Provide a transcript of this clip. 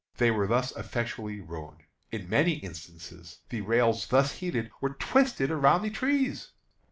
They were thus effectually ruined. In many instances the rails thus heated were twisted around the trees.